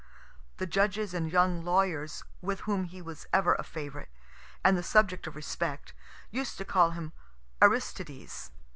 The judges and young lawyers, with whom he was ever a favorite, and the subject of respect, used to call him Aristides.